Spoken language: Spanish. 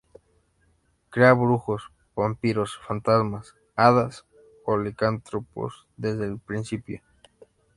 Crea brujos, vampiros, fantasmas, hadas o licántropos desde el principio.